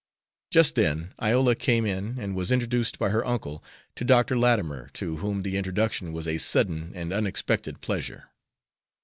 Just then Iola came in and was introduced by her uncle to Dr. Latimer, to whom the introduction was a sudden and unexpected pleasure.